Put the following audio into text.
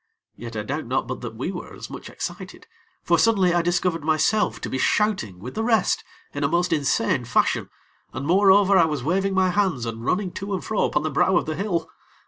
Yet, I doubt not but that we were as much excited; for suddenly I discovered myself to be shouting with the rest in a most insane fashion, and more over I was waving my hands and running to and fro upon the brow of the hill.